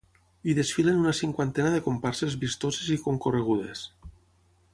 Hi desfilen una cinquantena de comparses vistoses i concorregudes.